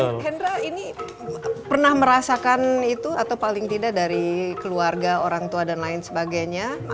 karena hendra ini pernah merasakan itu atau paling tidak dari keluarga orang tua dan lain sebagainya